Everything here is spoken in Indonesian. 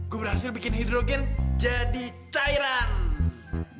gue berhasil bikin hidrogen jadi cairan